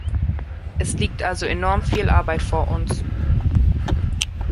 Es liegt also enorm viel Arbeit vor uns.